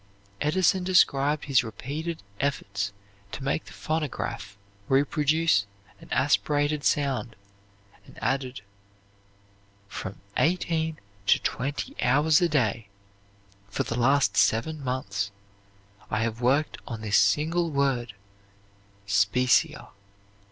Edison described his repeated efforts to make the phonograph reproduce an aspirated sound, and added: "From eighteen to twenty hours a day for the last seven months I have worked on this single word 'specia.'